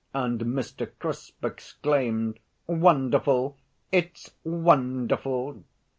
and Mr. Crisp exclaimed, "Wonderful! it's wonderful!"